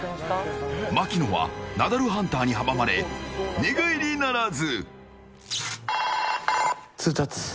槙野はナダルハンターに阻まれ寝返りならず。